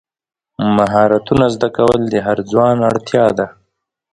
مهارتونه زده کول د هر ځوان اړتیا ده.